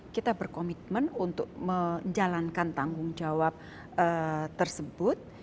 kita berkomitmen untuk menjalankan tanggung jawab tersebut